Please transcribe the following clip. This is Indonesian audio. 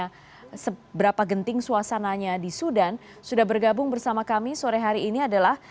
nah seberapa genting suasananya di sudan sudah bergabung bersama kami sore hari ini adalah